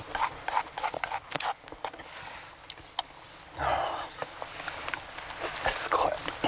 ああすごい。